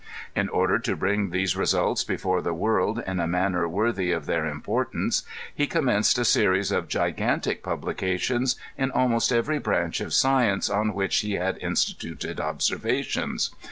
In order to bring these results before the world in a manner worthy of their importance, he commenced a series of gigantic publications in almost every branch of science on which he had instituted observations.